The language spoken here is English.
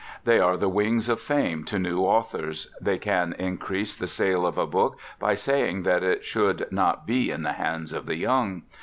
They are the wings of fame to new authors. They can increase the sale of a book by saying that it should not be in the hands of the young.